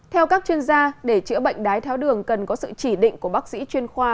theo các chuyên gia để chữa bệnh đái tháo đường cần có sự chỉ định của bác sĩ chuyên khoa